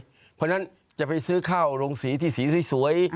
เพราะฉะนั้นจะไปซื้อข้าวโรงสีที่สีสวย